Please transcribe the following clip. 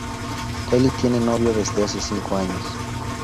Kelly tiene novio desde hace cinco años.